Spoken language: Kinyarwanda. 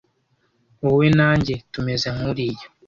Wowe na njye tumeze nkuriya.